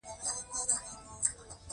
ډرامه باید اخلاقو ته پاملرنه وکړي